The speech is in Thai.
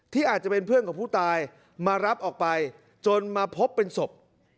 อาจจะเป็นเพื่อนกับผู้ตายมารับออกไปจนมาพบเป็นศพ